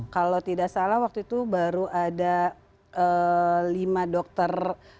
kalau tidak salah waktu itu baru ada lima dokter